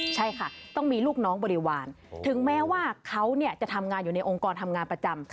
ใช่ค่ะต้องมีลูกน้องบริวารถึงแม้ว่าเขาจะทำงานอยู่ในองค์กรทำงานประจำ